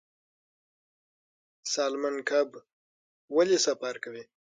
سالمن کب ولې سفر کوي؟